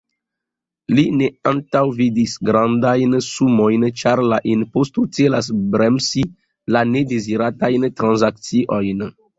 Li ne antaŭvidis grandajn sumojn, ĉar la imposto celas bremsi la nedeziratajn transakciojn.